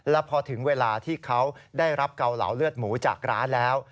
แล้วพอถึงเวลาที่เขาได้รับเกาเหลาเลือดหมูจากร้านแล้ว